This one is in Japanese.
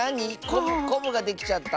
こぶができちゃった？